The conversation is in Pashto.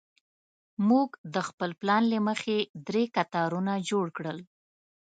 موږ د خپل پلان له مخې درې کتارونه جوړ کړل.